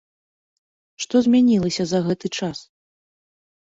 Што змянілася за гэты час?